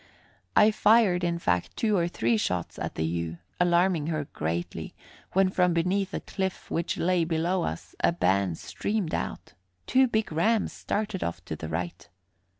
I fired, in fact, two or three shots at the ewe, alarming her greatly, when from beneath a cliff which lay below us a band streamed out. Two big rams started off to the right.